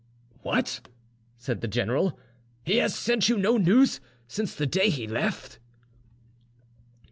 "What!" said the general, "he has sent you no news since the day he left?"